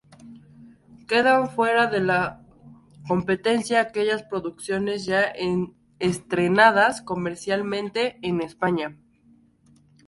Quedan fuera de la competición aquellas producciones ya estrenadas comercialmente en España.